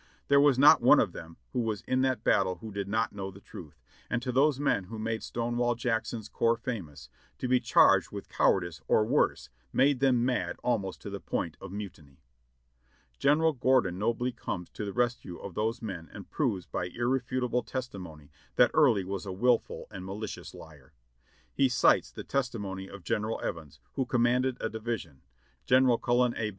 There was not one of them who was in that battle who did not know the truth; and to those men who made Stonewall Jack son's corps famous, to be charged with cowardice or worse, made them mad almost to the point of mutiny. General Gordon nobly comes to the rescue of those men and proves by irrefutable testimony that Early was a wilful and ma licious liar. He cites the testimony of General Evans, who com manded a division; General Cullen A.